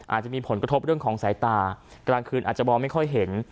อาจจะมีผลกระทบเรื่องของสายตากลางคืนอาจจะมองไม่ค่อยเห็น